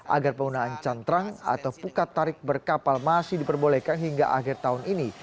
agar penggunaan cantrang atau pukat tarik berkapal masih diperbolehkan hingga akhir tahun ini